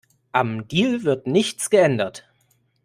Am Deal wird nichts geändert.